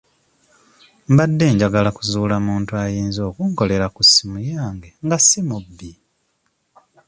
Mbadde njagala kuzuula muntu ayinza okunkolera ku ssimu yange nga si mubbi.